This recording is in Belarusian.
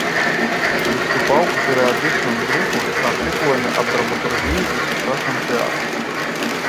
Выступаў у перыядычным друку з артыкуламі аб драматургіі і сучасным тэатры.